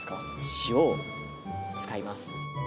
塩を使います。